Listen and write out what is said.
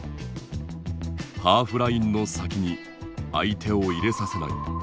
ハーフラインの先に相手を入れさせない。